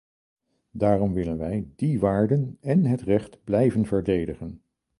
Daarom willen wij die waarden en het recht blijven verdedigen.